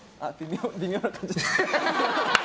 微妙な感じで。